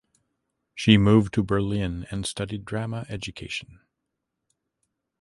She moved to Berlin and studied drama education.